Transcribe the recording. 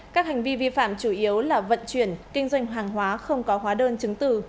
các hành vi vi phạm chủ yếu là vận chuyển kinh doanh hàng hóa không có hóa đơn chứng từ